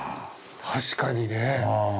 確かにね。